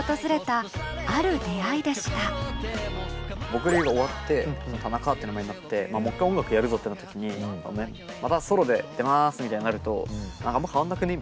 ぼくりりが終わってたなかって名前になってもう一回音楽やるぞってなった時にまたソロで出ますみたいになるとあんま変わんなくね？